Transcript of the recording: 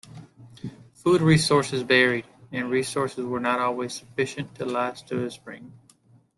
Food resources varied, and resources were not always sufficient to last through to spring.